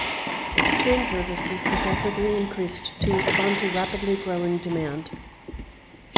Train service was progressively increased to respond to rapidly growing demand.